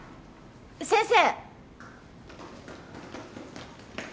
先生！